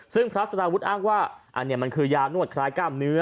ซึ่งพระสารวุฒิอ้างว่าอันนี้มันคือยานวดคล้ายกล้ามเนื้อ